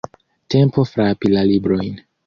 Tempo frapi la librojn!